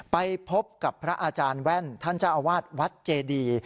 ไปพบกับพระอาจารย์แว่นท่านเจ้าอาวาสวัดเจดี